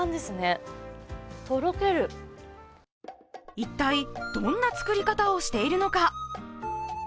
一体どんな作り方をしているのか。